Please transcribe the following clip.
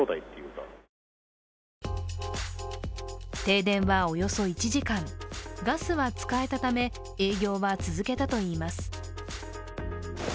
停電はおよそ１時間、ガスは使えたため営業は続けたといいます。